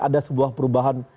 ada sebuah perubahan